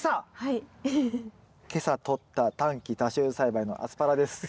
今朝とった短期多収栽培のアスパラです。